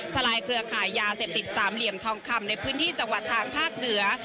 ลายเครือข่ายยาเสพติดสามเหลี่ยมทองคำในพื้นที่จังหวัดทางภาคเหนือ